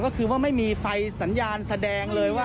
ก็คือว่าไม่มีไฟสัญญาณแสดงเลยว่า